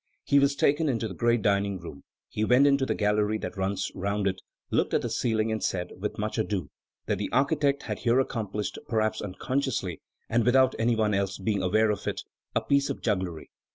He was taken into the great dining room; he went into the gallery that runs round it, looked at the ceiling, and said, without more ado, that the architect had here accomplished, perhaps unconsciously, and without any one else being aware of it, a piece of jugglery.